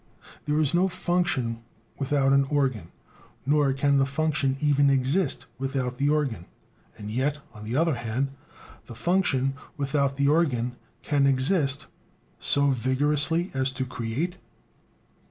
There is no function without an organ, nor can the function even exist without the organ; and yet, on the other hand, the function without the organ can exist so vigorously as to create?